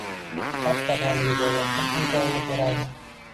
Dars jadvaliga joylashtirish imkonini beradi.